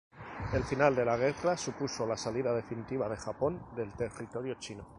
El final de la guerra supuso la salida definitiva de Japón del territorio chino.